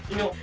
itu di situ